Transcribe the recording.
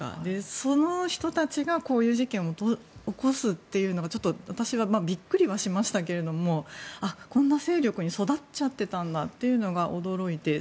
その人たちがこういう事件を起こすというのがちょっと私はビックリはしましたけれどもこんな勢力に育っちゃってたんだというのに驚いて。